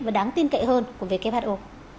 và đáng tin cậy hơn của who